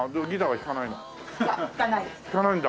弾かないんだ。